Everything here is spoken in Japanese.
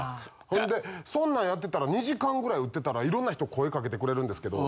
ほんでそんなんやってたら２時間ぐらい打ってたら色んな人声掛けてくれるんですけど